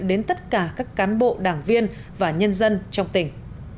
đến tất cả các cán bộ đảng viên và nhân dân trong tỉnh